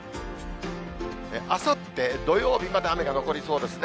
あさって土曜日まで雨が残りそうですね。